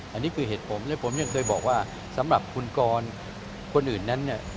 อันนี้คือเหตุผลและผมยังเคยบอกว่าสำหรับคุณกรคนอื่นนั้นเนี่ย